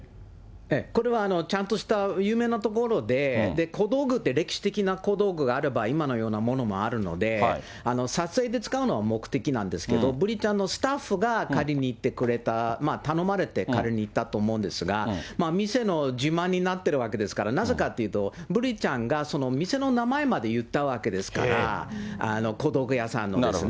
これはちゃんとした有名なところで、小道具って歴史的な小道具もあれば、今のようなものもあるので、撮影で使うのは目的なんですけど、ブリちゃんのスタッフが仮に言って来てくれた、頼まれて借りに行ったと思うんですが、店の自慢になってるわけですから、なぜかっていうと、ブリちゃんが店の名前まで言ったわけですから、小道具屋さんのですね。